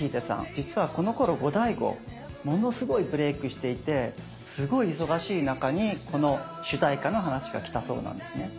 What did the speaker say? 実はこのころゴダイゴものすごいブレークしていてすごい忙しい中にこの主題歌の話が来たそうなんですね。